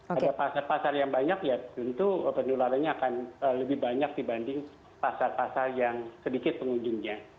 pada pasar pasar yang banyak ya tentu penularannya akan lebih banyak dibanding pasar pasar yang sedikit pengunjungnya